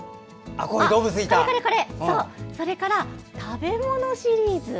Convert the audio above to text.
それから食べ物シリーズ。